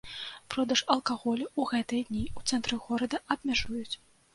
Продаж алкаголю ў гэтыя дні ў цэнтры горада абмяжуюць.